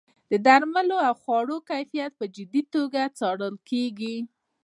د درملو او خوړو کیفیت په جدي توګه څارل کیږي.